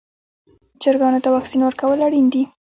چرګانو ته واکسین ورکول اړین دي.